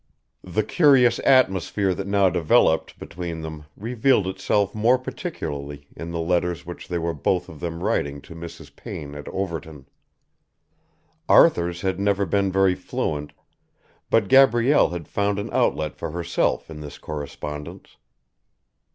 The curious atmosphere that now developed between them revealed itself more particularly in the letters which they were both of them writing to Mrs. Payne at Overton. Arthur's had never been very fluent, but Gabrielle had found an outlet for herself in this correspondence.